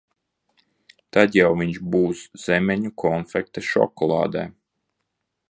Tad jau viņš būs zemeņu konfekte šokolādē!